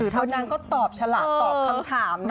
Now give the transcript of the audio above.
เพราะนางก็ตอบฉลาดตอบคำถามนะ